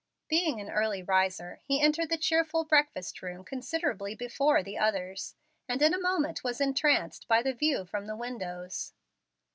Being an early riser he entered the cheerful breakfast room considerably before the others, and in a moment was entranced by the view from the windows.